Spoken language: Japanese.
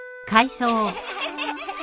アハハハ